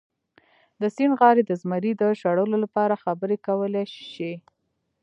د سیند غاړې د زمري د شړلو لپاره خبرې کولی شي.